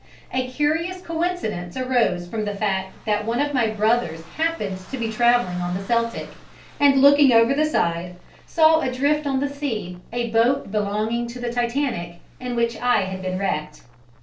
A curious coincidence arose from the fact that one of my brothers happened to be travelling on the Celtic, and looking over the side, saw adrift on the sea a boat belonging to the Titanic in which I had been wrecked.